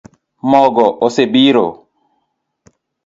Mogo osebiro